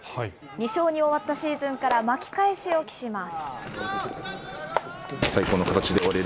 ２勝に終わったシーズンから巻き返しを期します。